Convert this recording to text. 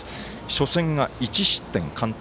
初戦は、１失点完投。